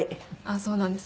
そうなんです。